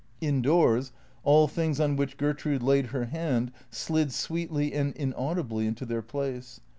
Indoors, all things on which Gertrude laid her hand slid sweetly and inau dibly into their place.